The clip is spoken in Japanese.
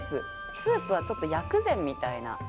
スープはちょっと薬膳みたいな。